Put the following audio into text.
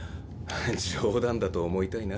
冗談だと思いたいな。